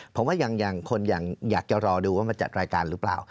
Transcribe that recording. ผมว่าอย่างคนอย่างอยากจะรอดูว่ามาจัดรายการหรือเปล่า